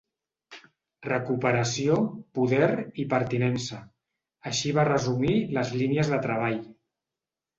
“Recuperació, poder i pertinença”, així va resumir les línies de treball.